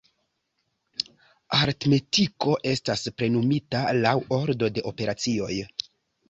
Aritmetiko estas plenumita laŭ ordo de operacioj.